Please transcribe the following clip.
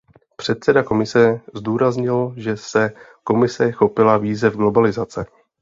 Předseda Komise zdůraznil, že se Komise chopila výzev globalizace.